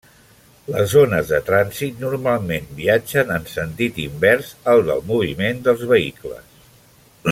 Les ones de trànsit normalment viatgen en sentit invers al del moviment dels vehicles.